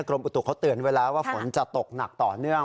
อุตุเขาเตือนไว้แล้วว่าฝนจะตกหนักต่อเนื่อง